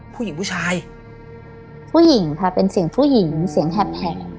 ผู้ชายผู้หญิงค่ะเป็นเสียงผู้หญิงเสียงแหบ